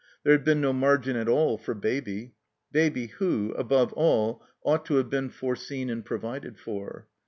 There had been no mar gin at all for Baby; Baby who, above all, ought to have been foreseen and provided for.